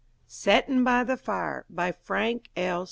SETTIN' BY THE FIRE BY FRANK L.